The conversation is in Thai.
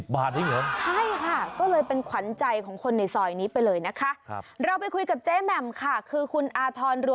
๑๐บาทนี่เหรอ